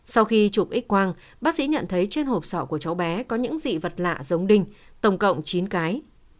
sau khi chụp x quang bác sĩ nhận thấy trên hộp sỏ của cháu bé có những dị vật lạ giống đinh tổng cộng chín cái